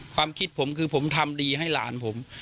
ความคิดผมคือผมทำดีให้หลานผม